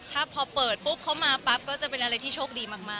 ถ้าพอเปิดปุ๊บเขามาปั๊บก็จะเป็นอะไรที่โชคดีมาก